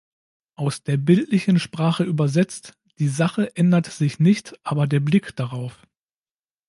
Aus der bildlichen Sprache übersetzt: Die Sache ändert sich nicht, aber der Blick darauf.